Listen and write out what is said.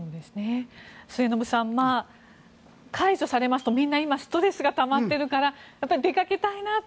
末延さん解除されますとみんな今、ストレスがたまってるからやっぱり出かけたいなと。